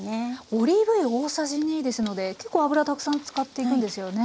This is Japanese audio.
オリーブ油大さじ２ですので結構油たくさん使っていくんですよね。